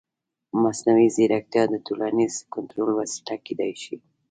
مصنوعي ځیرکتیا د ټولنیز کنټرول وسیله کېدای شي.